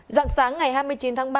rạng sáng ngày hai mươi chín tháng ba